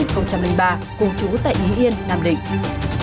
hồng tuấn thành sinh năm hai nghìn ba cùng chú tại ý yên nam định